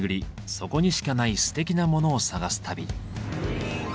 そこにしかないすてきなモノを探す旅。